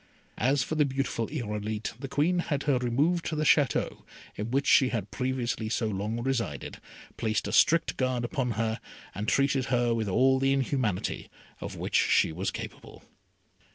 As for the beautiful Irolite, the Queen had her removed to the Château in which she had previously so long resided, placed a strict guard upon her, and treated her with all the inhumanity of which she was capable.